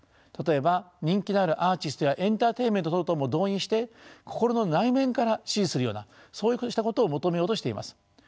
例えば人気のあるアーティストやエンターテインメント等々も動員して心の内面から支持するようなそうしたことを求めようとしています。